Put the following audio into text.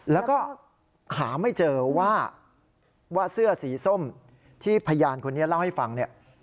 แล้วก็หาไม่เจอว่าเสื้อสีส้มที่พยานคนนี้เล่าให้ฟังเนี่ย